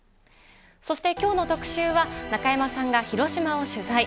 そしてきょうの特シューは、中山さんが広島を取材。